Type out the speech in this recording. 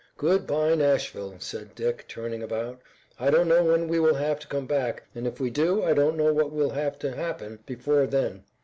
"Good bye, Nashville," said Dick, turning about. "I don't know when we will have to come back, and if we do I don't know what will have happened before then.